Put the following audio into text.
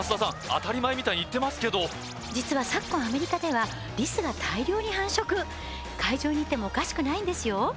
当たり前みたいに言ってますけど実は昨今アメリカではリスが大量に繁殖会場にいてもおかしくないんですよ